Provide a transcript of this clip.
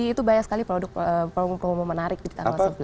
itu banyak sekali promo promo menarik di tanggal sebelas